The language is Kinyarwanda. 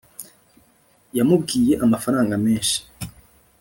yamwibye amafaranga menshi